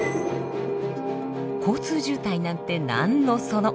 交通渋滞なんて何のその。